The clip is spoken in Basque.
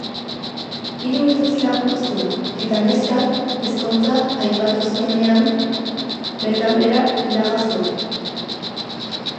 Hiru urtez lagundu zion, eta neskak ezkontza aipatu zionean, bertan behera laga zuen.